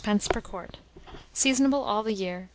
per quart. Seasonable all the year.